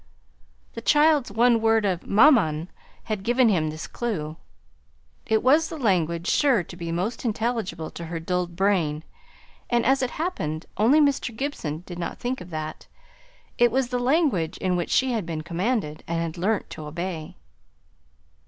The child's one word of "maman" had given him this clue. It was the language sure to be most intelligible to her dulled brain; and as it happened, only Mr. Gibson did not think of that it was the language in which she had been commanded, and had learnt to obey.